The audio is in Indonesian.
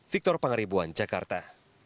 victor pangaribuan jakarta